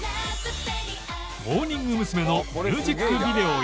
ペディア」モーニング娘。のミュージックビデオや